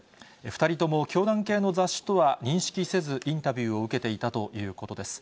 ２人とも教団系の雑誌とは認識せず、インタビューを受けていたということです。